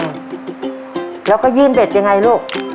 แล้วก็ยื่นเบ็ดยังไงลูก